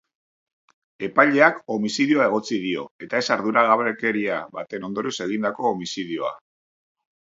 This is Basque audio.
Epaileak homizidioa egotzi dio, eta ez arduragabekeria baten ondorioz egindako homizidioa.